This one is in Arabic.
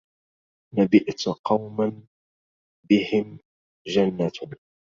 ونبئت قوما بهم جنة